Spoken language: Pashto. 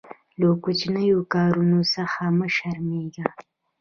له کوچنیو کارونو څخه مه شرمېږه.